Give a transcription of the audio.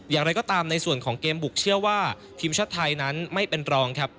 อย่างไรก็ตามในส่วนของเกมบุกเชื่อว่าทีมชาติไทยนั้นไม่เป็นรองครับ